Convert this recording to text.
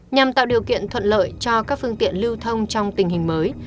nhằm tạo điều kiện thuận lợi cho các phương tiện lưu thông trong tình hình mới